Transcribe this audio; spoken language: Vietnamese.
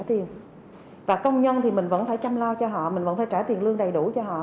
tiền và công nhân thì mình vẫn phải chăm lo cho họ mình vẫn phải trả tiền lương đầy đủ cho họ